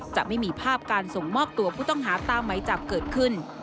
จะไม่มีภาพการส่งมอบตัวผู้ต้องหาตามไหมจับเกิดขึ้น